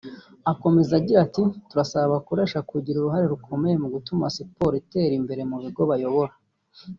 Akomeza agira ati “Turasaba abakoresha kugira uruhare rukomeye mu gutuma siporo itera imbere mu bigo bayobora